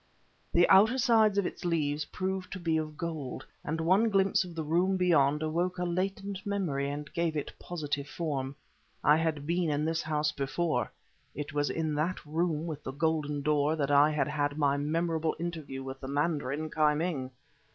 The outer sides of its leaves proved to be of gold, and one glimpse of the room beyond awoke a latent memory and gave it positive form. I had been in this house before; it was in that room with the golden door that I had had my memorable interview with the mandarin Ki Ming!